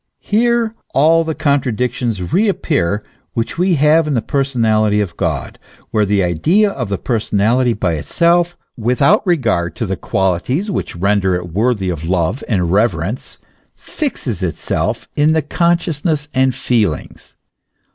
Here all the con tradictions reappear which we have in the personality of God, where the idea of the personality by itself, without regard to the qualities which render it worthy of love and reverence, fixes itself in the consciousness and feelings.